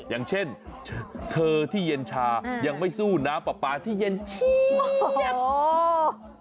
อย่างเช่นเธอที่เย็นชายังไม่สู้น้ำปลาปลาที่เย็นชี